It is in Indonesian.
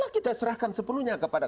kita serahkan sepenuhnya kepada